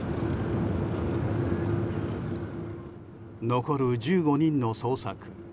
残る１５人の捜索。